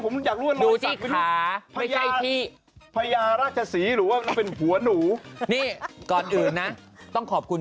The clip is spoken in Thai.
ไม่ว่าทุกคน